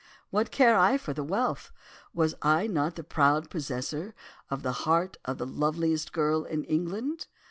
"What cared I for the wealth? Was I not the proud possessor of the heart of the loveliest girl in England?